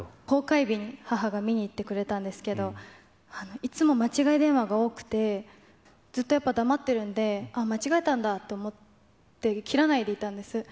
公開日に母が見に行ってくれたんですけど、いつも間違い電話が多くて、ずっとやっぱ黙ってるんで、あっ、間違えたんだって思って、切らないでいたんです。